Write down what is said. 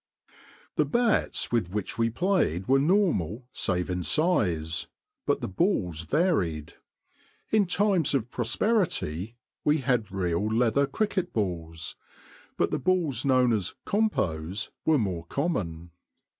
The bats with which we played were normal save in size, but the balls varied. In times of prosperity we had real leather cricket balls, but the balls known as "compos" were more common.